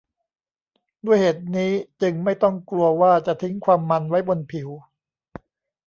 ด้วยเหตุนี้จึงไม่ต้องกลัวว่าจะทิ้งความมันไว้บนผิว